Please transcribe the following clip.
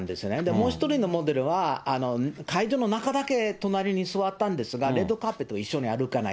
もう一人のモデルは、会場の中だけ隣に座ったんですが、レッドカーペット一緒に歩かない。